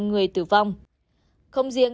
người tử vong không riêng